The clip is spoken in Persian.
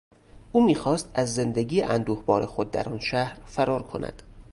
او میخواست از زندگی اندوهبار خود در آن شهر فرار کند.